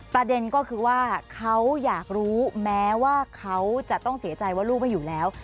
ประเด็นก็คือว่าเขาอยากรู้แม้ว่าเขาจะต้องเสียใจว่าลูกไม่อยู่แล้ว